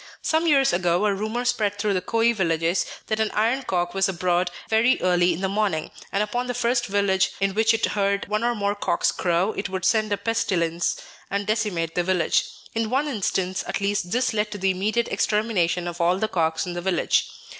Some years ago, a rumour spread through the Koyi villages that an iron cock was abroad very early in the morning, and upon the first village in which it heard one or more cocks crow it would send a pestilence, and decimate the village. In one instance, at least, this led to the immediate extermination of all the cocks in the village.